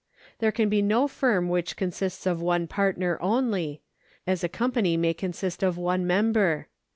There can be no firm which consists of one partner only, as a company may consist of one member.